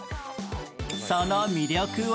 その魅力は？